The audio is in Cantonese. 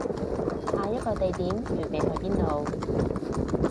下一個地點預備去邊度